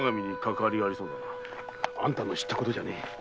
あんたの知ったことじゃねえ。